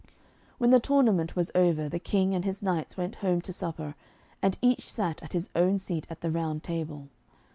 When the tournament was over the King and his knights went home to supper, and each sat in his own seat at the Round Table.